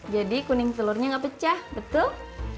jadi kuning telurnya gak pecah betul